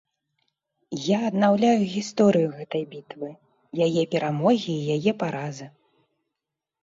Я аднаўляю гісторыю гэтай бітвы, яе перамогі і яе паразы.